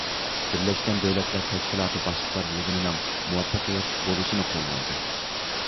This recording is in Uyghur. بىرلەشكەن دۆلەتلەر تەشكىلاتى باشلىقلار يىغىنىنىڭ مۇۋەپپەقىيەتلىك بولۇشىنى قوللايدۇ.